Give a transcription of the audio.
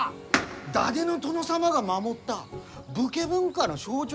伊達の殿様が守った武家文化の象徴です！